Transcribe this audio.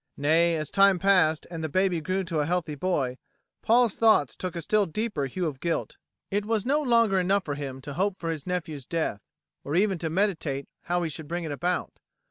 Nay, as time passed and the baby grew to a healthy boy, Paul's thoughts took a still deeper hue of guilt. It was no longer enough for him to hope for his nephew's death, or even to meditate how he should bring it about.